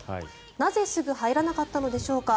なぜすぐ入らなかったのでしょうか。